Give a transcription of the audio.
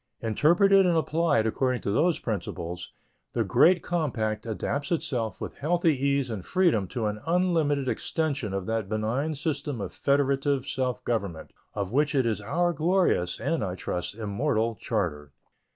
Interpreted and applied according to those principles, the great compact adapts itself with healthy ease and freedom to an unlimited extension of that benign system of federative self government of which it is our glorious and, I trust, immortal charter.